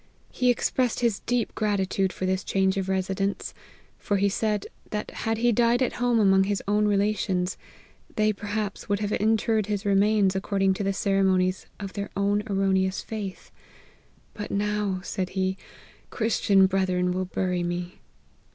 He expressed his deep gratitude for this change of residence ; for he said, that had he died at home among his own relations, they per haps would have interred his remains according to the ceremonies of their own erroneous faith :* But now,' said he, ' Christian brethren will bury me.'